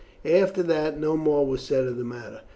After that no more was said of the matter.